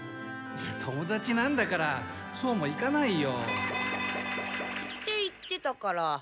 友だちなんだからそうもいかないよ。って言ってたから。